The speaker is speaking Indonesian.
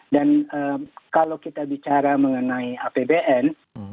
dan kalau kita bicara mengenai apbn